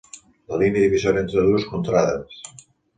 La línia divisòria entre dues contrades.